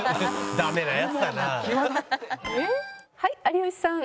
はい有吉さん。